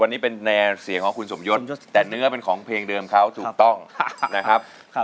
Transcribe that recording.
แต่เนื้อเป็นของเพลงเดิมเขาถูกต้องนะครับ